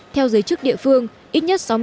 theo giới chức địa phương ít nhất sáu mươi